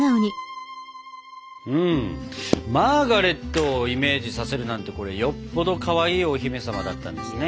マーガレットをイメージさせるなんてこれよっぽどかわいいお姫様だったんですね。